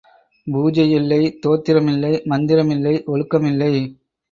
பூஜை யில்லை, தோத்திர மில்லை, மந்திர மில்லை, ஒழுக்கமில்லை.